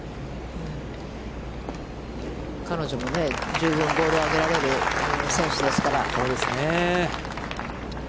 彼女もね、十分ボールを上げられる選手ですから。